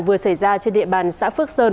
vừa xảy ra trên địa bàn xã phước sơn